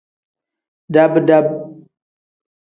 Dab-dab.